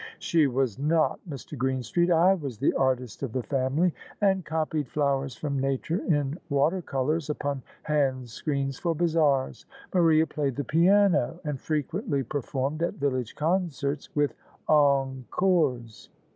" She was not, Mr. Greenstreet. I was the artist of the family, and copied flowers from nature in water colours upon hand screens for bazaars: Maria played the piano, and frequently performed at village concerts — ^with encores."